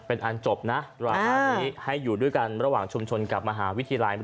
เป็นอันจบนะดราม่านี้ให้อยู่ด้วยกันระหว่างชุมชนกับมหาวิทยาลัย